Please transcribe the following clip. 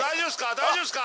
大丈夫っすか？